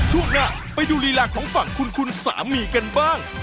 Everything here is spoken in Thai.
ช่วงหน้าไปดูลีลาของฝั่งคุณสามีกันบ้าง